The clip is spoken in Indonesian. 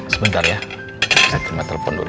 sebentar ya saya terima telepon dulu